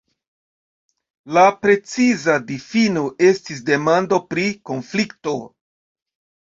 La preciza difino estis demando pri konflikto.